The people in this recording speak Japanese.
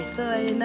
はい。